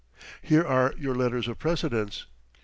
Here are your letters of precedence.